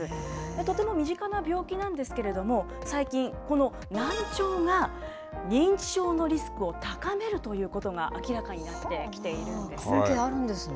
とても身近な病気なんですけれども、最近、この難聴が、認知症のリスクを高めるということが明らかになってきているんで関係あるんですね。